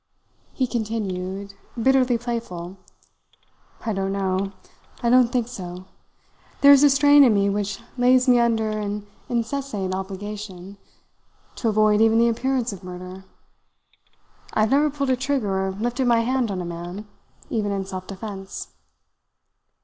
He continued, bitterly playful: "I don't know. I don't think so. There is a strain in me which lays me under an insensate obligation to avoid even the appearance of murder. I have never pulled a trigger or lifted my hand on a man, even in self defence."